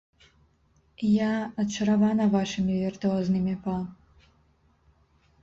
Я ачаравана вашымі віртуознымі па.